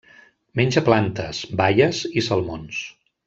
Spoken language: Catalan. Menja plantes, baies i salmons.